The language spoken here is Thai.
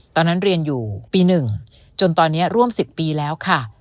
ตอนนั้นเรียนอยู่ปี๑จนตอนนี้ร่วม๑๐ปีแล้วค่ะ